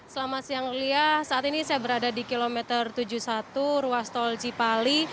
selamat siang lia saat ini saya berada di kilometer tujuh puluh satu ruas tol cipali